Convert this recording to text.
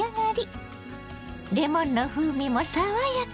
レモンの風味も爽やか。